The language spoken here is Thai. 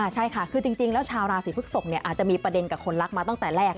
ใช่ค่ะคือจริงแล้วชาวราศีพฤกษกอาจจะมีประเด็นกับคนรักมาตั้งแต่แรก